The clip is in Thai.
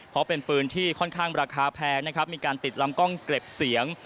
เพราะเป็นปืนที่ค่อนข้างราคาแพงนะครับมีการติดลำกล้องเก็บเสียง